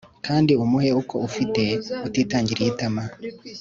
kandi umuhe uko ufite utitangiriye itama